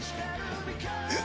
えっ！？